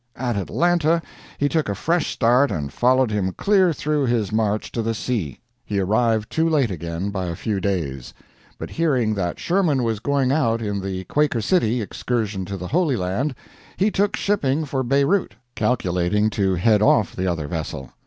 At Atlanta he took a fresh start and followed him clear through his march to the sea. He arrived too late again by a few days; but hearing that Sherman was going out in the Quaker City excursion to the Holy Land, he took shipping for Beirut, calculating to head off the other vessel.